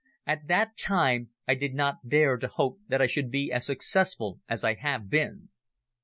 At that time I did not dare to hope that I should be as successful as I have been.